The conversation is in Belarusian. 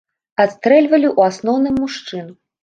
Адстрэльвалі ў асноўным мужчын.